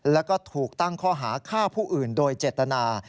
แล้วก็ถูกตั้งข้อหาฆ่าผู้อื่นโดยเจตนา